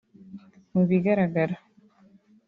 Mu bigaragara